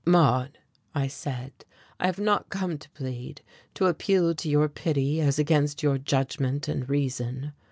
"Maude," I said, "I have not come to plead, to appeal to your pity as against your judgment and reason.